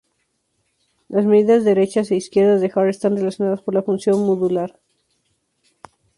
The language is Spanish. Las medidas derechas e izquierdas de Haar están relacionadas por la función modular.